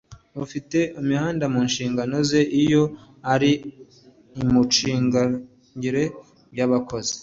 ufite imihanda mu nshingano ze iyo ari imicungire y abakozi